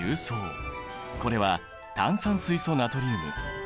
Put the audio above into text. これは炭酸水素ナトリウム。